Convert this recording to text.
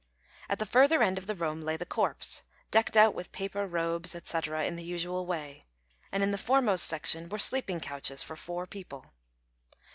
At the further end of the room lay the corpse, decked out with paper robes, &c., in the usual way; and in the foremost section were sleeping couches for four people.